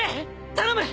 頼む！